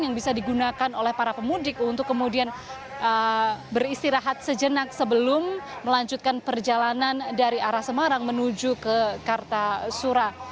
yang bisa digunakan oleh para pemudik untuk kemudian beristirahat sejenak sebelum melanjutkan perjalanan dari arah semarang menuju ke kartasura